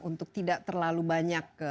untuk tidak terlalu banyak